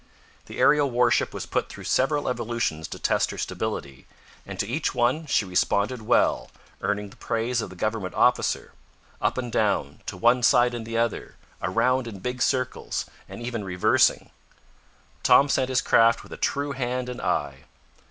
The aerial warship was put through several evolutions to test her stability, and to each one she responded well, earning the praise of the government officer. Up and down, to one side and the other, around in big circles, and even reversing, Tom sent his craft with a true hand and eye.